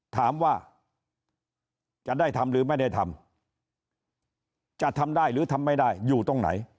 ถามว่าจะได้ทำหรือไม่ได้ทำจะทำได้หรือทำไม่ได้อยู่ตรงไหน